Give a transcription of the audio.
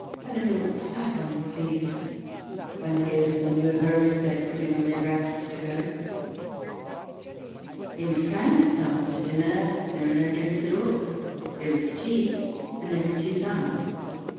'* A little syphon, please," one hears them murmur as they are putting on their wraps to go. In France, after dinner, there are no drinks at all. There is tea and there are tisanes.